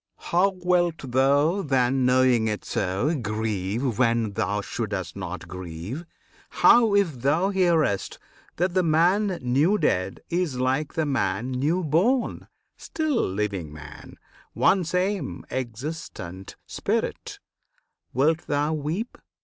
How wilt thou, then, Knowing it so, grieve when thou shouldst not grieve? How, if thou hearest that the man new dead Is, like the man new born, still living man One same, existent Spirit wilt thou weep?